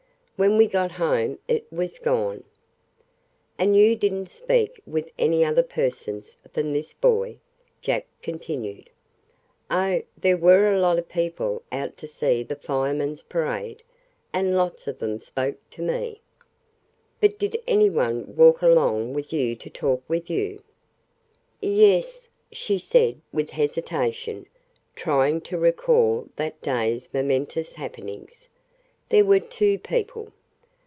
When we got home it was gone." "And you didn't speak with any other persons than this boy?" Jack continued. "Oh, there were a lot of people out to see the firemen's parade, and lots of them spoke to me." "But did any one walk along with you to talk with you?" "Yes," she said with hesitation, trying to recall that day's momentous happenings; "there were two people.